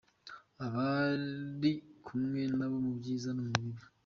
Aba ari kumwe nawe mu byiza no mu bibi.